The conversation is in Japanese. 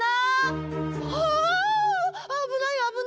はああぶないあぶない！